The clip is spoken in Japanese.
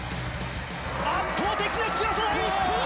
圧倒的な強さ！